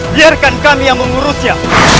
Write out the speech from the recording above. biarkan kami yang mengurusnya